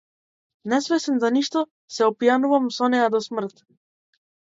Несвесен за ништо, се опијанувам со неа до смрт.